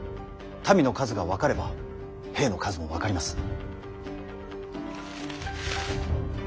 民の数が分かれば兵の数も分かります。